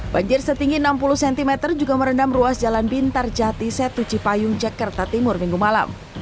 banjir setinggi enam puluh cm juga merendam ruas jalan bintar jati setu cipayung jakarta timur minggu malam